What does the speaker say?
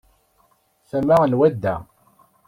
Tama n wadda.